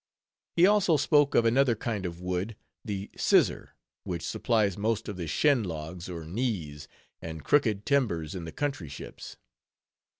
He also spoke of another kind of wood, the "sissor," which supplies most of the "shin logs," or "knees," and crooked timbers in the _country ships.